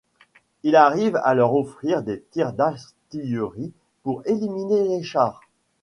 Il arrive à leur offrir des tirs d'artilleries pour éliminer les chars.